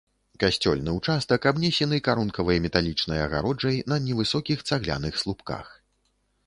Касцёльны ўчастак абнесены карункавай металічнай агароджай на невысокіх цагляных слупках.